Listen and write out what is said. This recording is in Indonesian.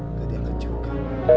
gak diangkat juga